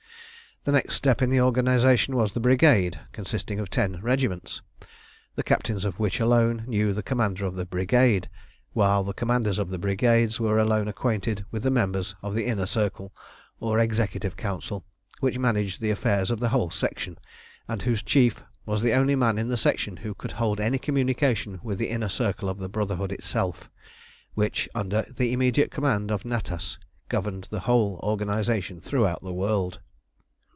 The next step in the organisation was the brigade, consisting of ten regiments, the captains of which alone knew the commander of the brigade, while the commanders of the brigades were alone acquainted with the members of the Inner Circle or Executive Council which managed the affairs of the whole Section, and whose Chief was the only man in the Section who could hold any communication with the Inner Circle of the Brotherhood itself, which, under the immediate command of Natas, governed the whole organisation throughout the world.